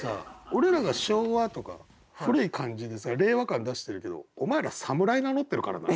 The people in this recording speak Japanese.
俺らが昭和とか古い感じでさ令和感出してるけどお前ら侍名乗ってるからな。